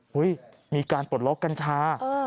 มีการปลดล็อกกัญชา